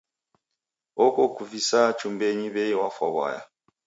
Oko ukuvisaa chumbenyi w'ei wafwa w'aya.